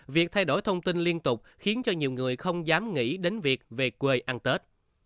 việc thay đổi thông tin liên tục khiến cho nhiều người không dám nghĩ đến việc về quê ăn tết